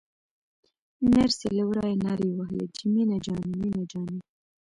نرسې له ورايه نارې وهلې چې مينه جانې مينه جانې.